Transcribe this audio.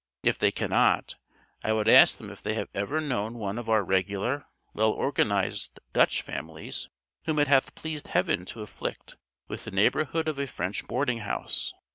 If they cannot, I would ask them if they have ever known one of our regular, well organized Dutch families, whom it hath pleased Heaven to afflict with the neighborhood of a French boarding house?